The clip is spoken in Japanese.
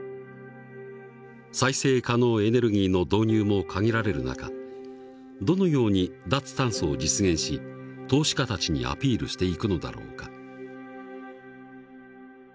再生可能エネルギーの導入も限られる中どのように脱炭素を実現し投資家たちにアピールしていくのだろうか。